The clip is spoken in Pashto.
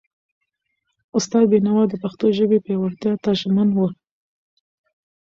استاد بینوا د پښتو ژبې پیاوړتیا ته ژمن و.